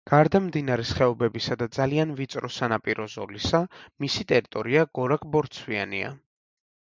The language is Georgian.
გარდა მდინარის ხეობებისა და ძალიან ვიწრო სანაპირო ზოლისა, მისი ტერიტორია გორაკ-ბორცვიანია.